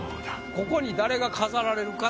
ここに誰が飾られるか。